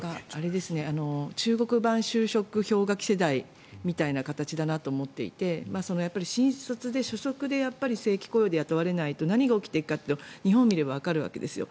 中国版就職氷河期世代みたいな形だなと思っていて新卒で正規雇用で雇われないと何が起きていくかというと日本を見ればわかるわけですよ。